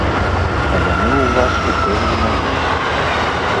А яны ў вас, упэўнена, ёсць!